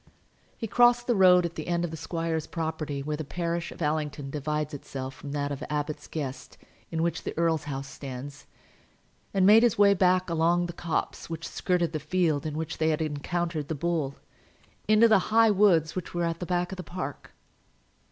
He crossed the road at the end of the squire's property, where the parish of Allington divides itself from that of Abbot's Guest in which the earl's house stands, and made his way back along the copse which skirted the field in which they had encountered the bull, into the high woods which were at the back of the park.